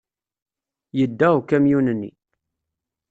Yedda ukamyun-nni.